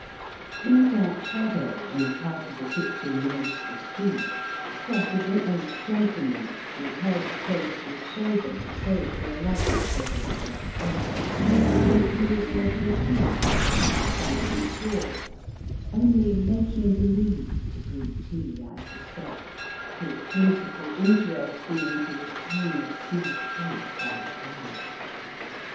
In a dark shadow, in a part of the kitchen nearest the street, squatted an old gentleman, with head closely shaven save for a love Jock over his left ear. He was making tea by a fixQ Digitized by VjOOQIC BOADiSIDE AND BITER. 277 sunk in the floor — only making believe to brew tea, I suspect, his principal interest being to retain a snug place by the fire.